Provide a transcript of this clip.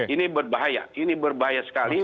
ini berbahaya ini berbahaya sekali